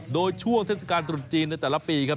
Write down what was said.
โดยช่วงเทศกาลตรุษจีนในแต่ละปีครับ